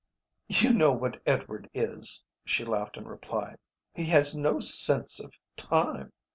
"You know what Edward is," she laughed in reply, "he has no sense of time.